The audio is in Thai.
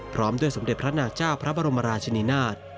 พร้อมด้วยสมเด็จพระนาเจ้าพระบรมราชนีนาฏ